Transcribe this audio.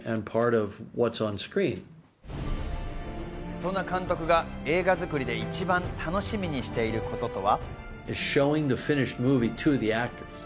そんな監督が映画作りで一番楽しみにしていることとは？